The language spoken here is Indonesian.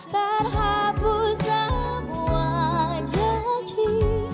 terhapus semua janji